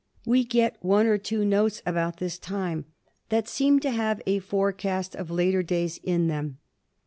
We get one or two notes about this time that seem to have a forecast of later days in them.